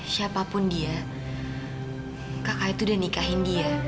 siapapun dia kakak itu udah nikahin dia